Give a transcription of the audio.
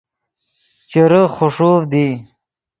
چیرے خݰوڤد ای